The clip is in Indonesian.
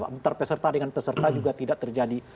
antara peserta dengan peserta juga tidak terjadi